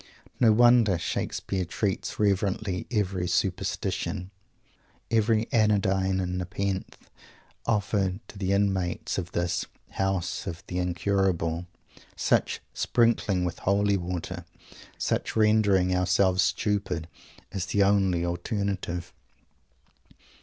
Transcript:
No wonder Shakespeare treats reverently every "superstition," every anodyne and nepenthe offered to the inmates of this House of the Incurable. Such "sprinkling with holy water," such "rendering ourselves stupid," is the only alternative.